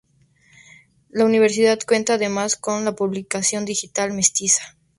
La universidad cuenta además con la publicación digital "Mestiza.